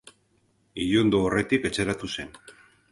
Ilundu aurretik etxeratu zen.